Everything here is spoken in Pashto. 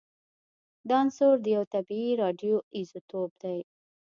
دا عنصر یو طبیعي راډیو ایزوتوپ دی